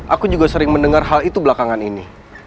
aku juga sering mendengar hal itu belakangan ini